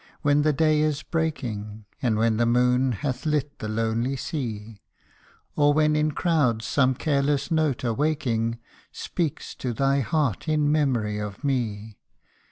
when the day is breaking, And when the moon hath lit the lonely sea Or when in crowds some careless note awaking : Speaks to thy heart in memory of me.